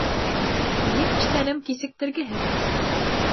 Минең эштәрем кисектергеһеҙ